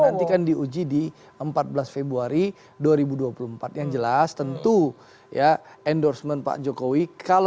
nanti kan diuji di empat belas februari dua ribu dua puluh empat yang jelas tentu ya endorsement pak jokowi kalau